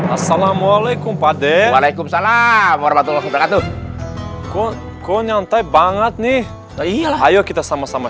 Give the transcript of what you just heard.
assalamualaikum walaikum salam warahmatullah wabarakatuh banget nih ayo kita sama sama